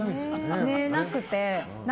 寝なくて。